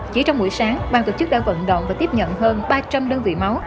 chỉ trong buổi sáng ban tổ chức đã vận động và tiếp nhận hơn ba trăm linh đơn vị máu